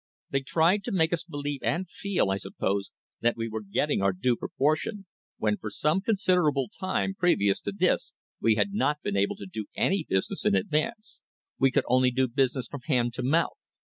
They tried to make us believe and feel, I suppose, that we were getting our due proportion, when for some considerable time previous to this we had not been able to do any business in advance; we could only do business from hand to mouth.